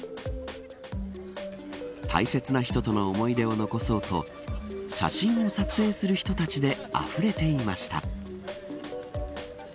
大切な人との思い出を残そうと写真を撮影する人たちであふれていました。